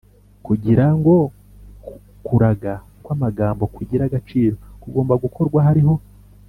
kugirango kuraga kw’amagambo kugire agaciro kugomba gukorwa hariho: